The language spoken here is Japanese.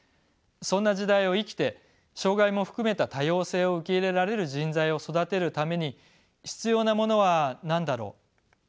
そんな時代を生きて障がいも含めた多様性を受け入れられる人材を育てるために必要なものは何だろう。